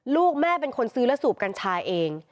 ลูกแม่เป็นคนซื้อและสูบกัญชาเอง